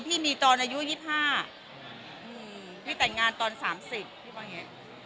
พี่มีตอนอายุยี่สิบห้าอืมพี่แต่งงานตอนสามสิบพี่บอกไง